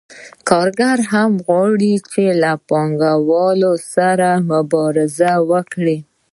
کارګران هم غواړي چې له پانګوالو سره مبارزه وکړي